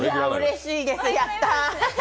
うれしいです、やった。